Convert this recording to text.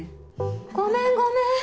・ごめんごめん